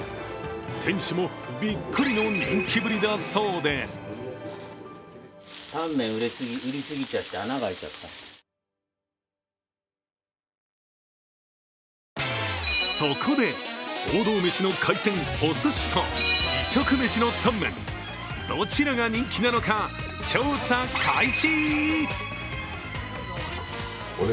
店主もびっくりの人気ぶりだそうでそこで王道メシの海鮮・おすしと異色メシのタンメン、どちらが人気なのか、調査開始。